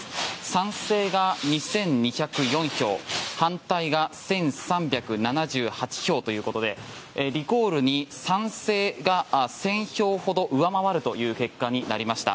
賛成が２２０４票反対が１３７８票ということでリコールに賛成が１０００票ほど上回るという結果になりました。